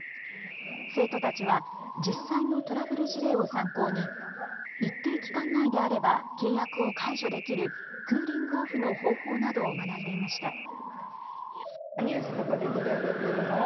生徒たちは実際のトラブル事例を参考に一定期間内であれば契約を解除できるクーリングオフの方法などを学んでいました。